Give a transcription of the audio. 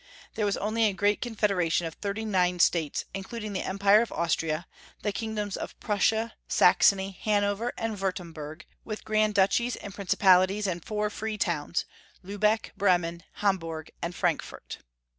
There was only a great confedera tion of thirty nine states, including the empire of Austria, the kingdoms of Prussia, Saxony, Hanover, and Wurtemburg, with Grand Duchies and princi palities, and four free towns, Lubeck, Bremen, Hamburg, and Frankfort.